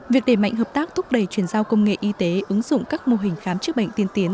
việc đề mạnh hợp tác thúc đẩy chuyển giao công nghệ y tế ứng dụng các mô hình khám chữa bệnh tiên tiến